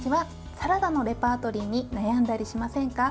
サラダのレパートリーに悩んだりしませんか？